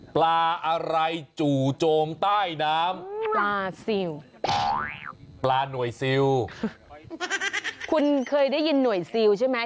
ปลาอะไรจู่โจมใต้น้ำปลาซิลปลาหน่วยซิลคุณเคยได้ยินหน่วยซิลใช่ไหม